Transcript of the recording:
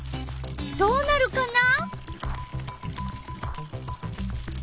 どうなるかな？